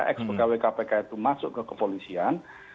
ex pegawai kpk itu masuk ke kepolisian